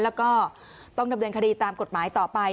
แล้วก็ต้องดำเนินคดีตามกฎหมายต่อไป